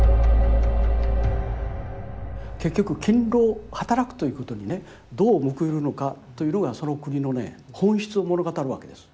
結局勤労働くということにねどう報いるのかというのがその国のね本質を物語るわけです。